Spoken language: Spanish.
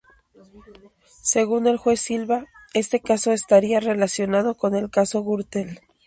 Según el juez Silva, este caso estaría relacionado con el caso Gürtel.